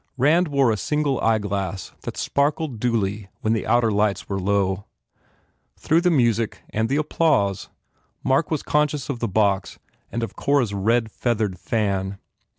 Rand wore a single eye glass that sparkled duly when the outer lights were low. Through the music and the applause Mark was conscious of the box and of Cora s red feathered fan.